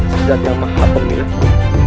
sejati maha pemilikku